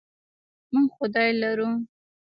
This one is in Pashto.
موږ خدای لرو.